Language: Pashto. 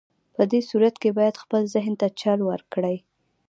په دې صورت کې بايد خپل ذهن ته چل ورکړئ.